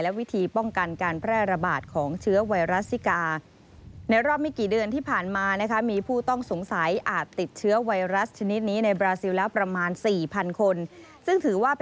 วิธีป้องกันการแพร่ระบาดของเชื้อไวรัสซิกา